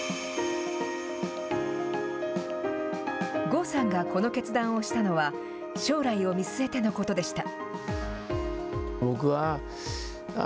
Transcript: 郷さんがこの決断をしたのは、将来を見据えてのことでした。